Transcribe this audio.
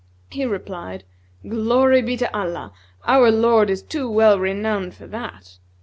He replied, 'Glory be to Allah, our lord is too well renowned for that!